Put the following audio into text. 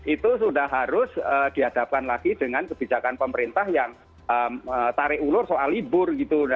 itu sudah harus dihadapkan lagi dengan kebijakan pemerintah yang tarik ulur soal libur gitu